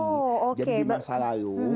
oke jadi di masa lalu